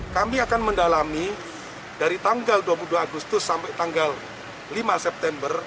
kami akan mendalami dari tanggal dua puluh dua agustus sampai tanggal lima september